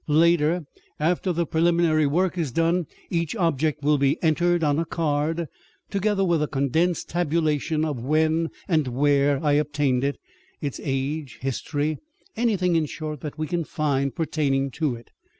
Later, after the preliminary work is done, each object will be entered on a card, together with a condensed tabulation of when and where I obtained it, its age, history anything, in short, that we can find pertaining to it.